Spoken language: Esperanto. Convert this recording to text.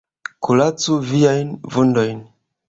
Kuracu viajn vundojn.